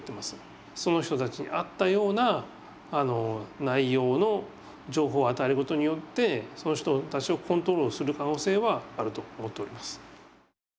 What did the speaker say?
その人たちに合ったような内容の情報を与えることによってその人たちをコントロールする可能性はあると思っております。